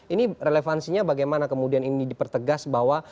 ini relevansinya bagaimana kemudian ini dipertegas bahwa